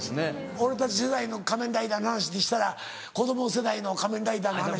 俺たち世代の『仮面ライダー』の話したら子供世代の『仮面ライダー』の話。